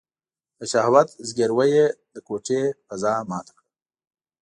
د شهوت ځګيروی يې د کوټې فضا ماته کړه.